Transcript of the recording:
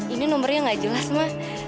ini nomernya gak jelas ma